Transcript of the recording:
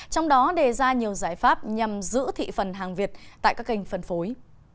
trong đó đề ra nhiều giải pháp nhằm giữ thị phần hàng việt tại các kênh phân phối